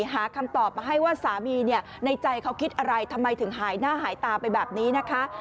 หาคำตอบมาให้ว่าสามีในใจเขาคิดอะไรทำไมถึงหายหน้าหายตาไปแบบนี้นะคะ